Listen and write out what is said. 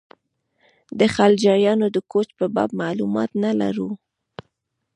د خلجیانو د کوچ په باب معلومات نه لرو.